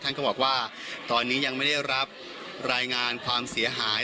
ก็บอกว่าตอนนี้ยังไม่ได้รับรายงานความเสียหาย